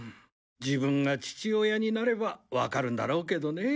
自分が父親になればわかるんだろうけどねえ。